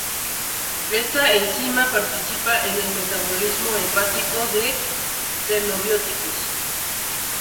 Esta enzima participa en el metabolismo hepático de xenobióticos.